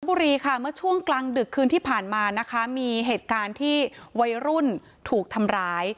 บุรีค่ะเมื่อช่วงกลางดึกคืนที่ผ่านมานะคะมีเหตุการณ์ที่วัยรุ่นถูกทำร้าย